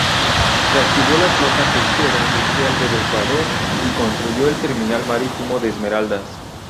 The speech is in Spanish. Reactivó la flota pesquera industrial del Ecuador y construyó el terminal marítimo de Esmeraldas.